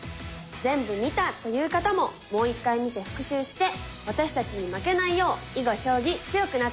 全部見たという方ももう一回見て復習して私たちに負けないよう囲碁将棋強くなって下さいね。